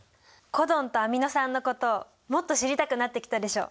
コドンとアミノ酸のこともっと知りたくなってきたでしょ？